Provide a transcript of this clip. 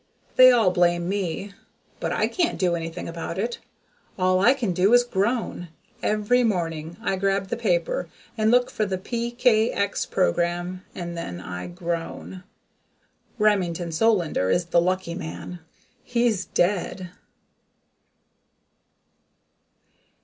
They all blame me, but I can't do anything about it. All I can do is groan every morning I grab the paper and look for the PKX program and then I groan. Remington Solander is the lucky man he's dead.